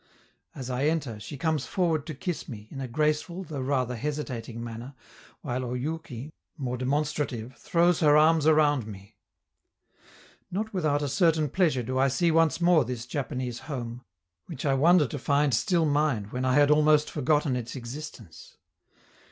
As I enter, she comes forward to kiss me, in a graceful, though rather hesitating manner, while Oyouki, more demonstrative, throws her arms around me. Not without a certain pleasure do I see once more this Japanese home, which I wonder to find still mine when I had almost forgotten its existence.